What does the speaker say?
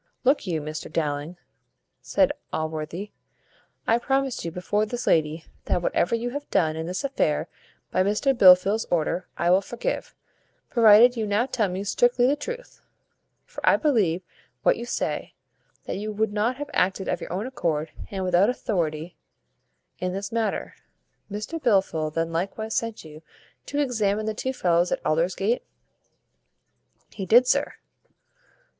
"Look you, Mr Dowling," said Allworthy; "I promise you before this lady, that whatever you have done in this affair by Mr Blifil's order I will forgive, provided you now tell me strictly the truth; for I believe what you say, that you would not have acted of your own accord and without authority in this matter. Mr Blifil then likewise sent you to examine the two fellows at Aldersgate?" "He did, sir."